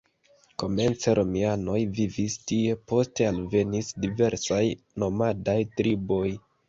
Komence romianoj vivis tie, poste alvenis diversaj nomadaj triboj.